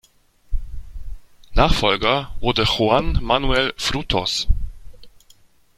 Nachfolger wurde Juan Manuel Frutos.